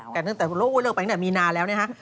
แต่ตั้งแต่มีนานแล้วนะครับ